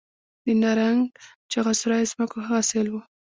د نرنګ، چغه سرای ځمکو ښه حاصل و